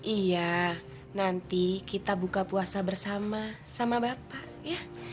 iya nanti kita buka puasa bersama sama bapak ya